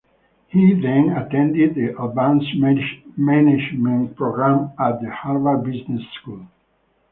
He then attended the advance management programme at the Harvard Business School.